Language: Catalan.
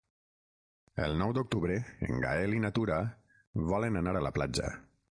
El nou d'octubre en Gaël i na Tura volen anar a la platja.